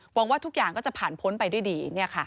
หวังว่าทุกอย่างก็จะผ่านพ้นไปได้ดี